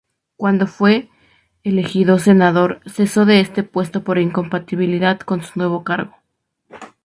Cuando fue elegido senador cesó de este puesto por incompatibilidad con su nuevo cargo.